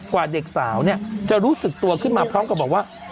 กว่าเด็กสาวจะรู้สึกตัวขึ้นมาพร้อมกับบอกว่า